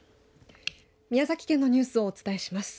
宮崎県のニュースをお伝えします。